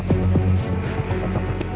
di mah playsurah